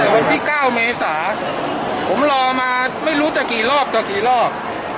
วันที่๙เมษาผมรอมาไม่รู้จะกี่รอบต่อกี่รอบ